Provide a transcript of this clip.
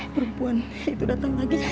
perempuan itu datang lagi